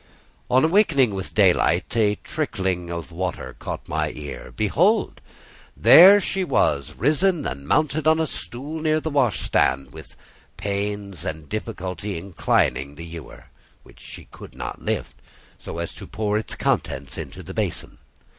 On awaking with daylight, a trickling of water caught my ear. Behold! there she was risen and mounted on a stool near the washstand, with pains and difficulty inclining the ewer (which she could not lift) so as to pour its contents into the basin.